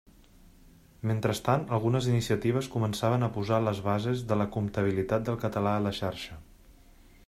Mentrestant algunes iniciatives començaven a posar les bases de la «comptabilitat» del català a la xarxa.